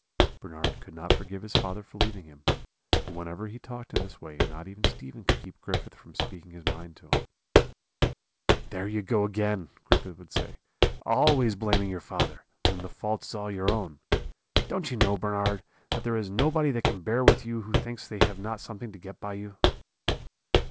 "Bernard could not forgive his father for leaving him; but whenever he talked in this way not even Stephen could keep Griffith from speaking his mind to him. "'There you go again,' Griffith would say; 'always blaming your father, when the fault is all your own. Don't you know, Bernard, that there is nobody that can bear with you who thinks they have not something to get by you?'